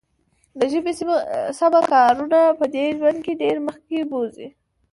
د ژبې سمه کارونه به دې ژوند کې ډېر مخکې بوزي.